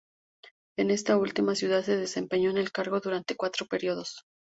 En esta última ciudad se desempeñó en el cargo durante cuatro períodos.